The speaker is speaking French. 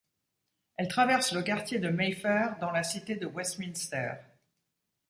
Elle traverse le quartier de Mayfair dans la Cité de Westminster.